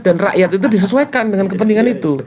dan rakyat itu disesuaikan dengan kepentingan itu